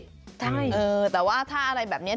ใช่เออแต่ว่าถ้าอะไรแบบนี้